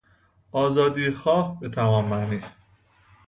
آزادیخواه به تمام معنی